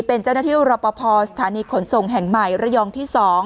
เป็นเจ้าหน้าที่รอปภสถานีขนส่งแห่งใหม่ระยองที่๒